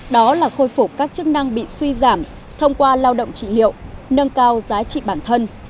đó là khôi phục các chức năng bị suy giảm thông qua lao động trị liệu nâng cao giá trị bản thân